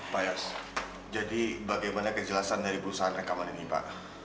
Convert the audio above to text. pak yas jadi bagaimana kejelasan dari perusahaan rekaman ini pak